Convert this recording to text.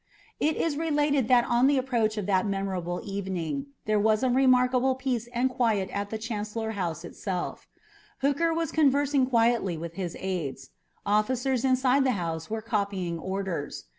It is related that on the approach of that memorable evening there was a remarkable peace and quiet at the Chancellor House itself. Hooker was conversing quietly with his aides. Officers inside the house were copying orders.